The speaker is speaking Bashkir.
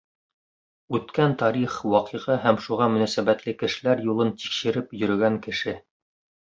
Үткән тарих, ваҡиға һәм шуға мөнәсәбәтле кешеләр юлын тикшереп йөрөгән кеше.